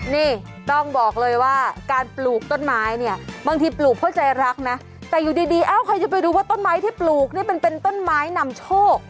นี่ต้องบอกเลยว่าการปลูกต้นไม้เนี่ยบางทีปลูกเพราะใจรักนะแต่อยู่ดีเอ้าใครจะไปดูว่าต้นไม้ที่ปลูกนี่มันเป็นต้นไม้นำโชค